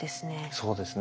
そうですね。